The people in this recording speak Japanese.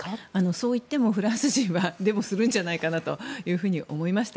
そういってもフランス人はデモするんじゃないかなと思いました。